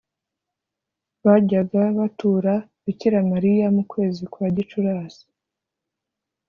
bajyaga batura bikira mariya, mu kwezi kwa gicurasi,